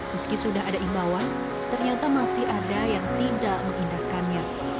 meski sudah ada imbauan ternyata masih ada yang tidak mengindahkannya